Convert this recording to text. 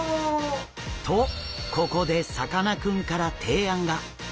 とここでさかなクンから提案が。